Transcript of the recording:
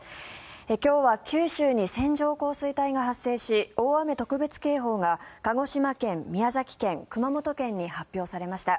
今日は九州に線状降水帯が発生し大雨特別警報が鹿児島県、宮崎県、熊本県に発表されました。